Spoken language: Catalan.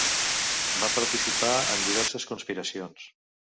Va participar en diverses conspiracions.